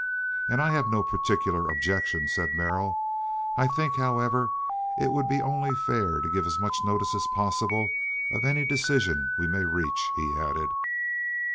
"And I have no particular objection," said Merrill. "I think, however, it would be only fair to give as much notice as possible of any decision we may reach," he added.